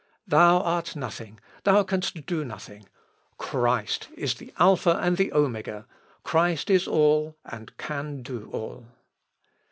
Thou art nothing, thou canst do nothing! Christ is the Alpha and the Omega! Christ is all, and can do all.